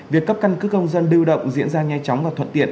việc cấp căn cứ công dân lưu động diễn ra nhanh chóng và thuận tiện